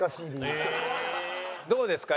どうですか？